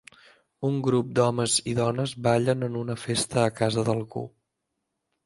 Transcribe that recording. Un grup d'homes i dones ballen en una festa a casa d'algú.